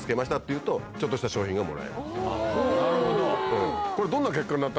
なるほど。